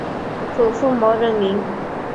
祖父毛仁民。